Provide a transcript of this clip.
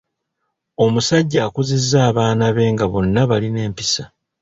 Omusajja akuzizza abaana be nga bonna balina empisa.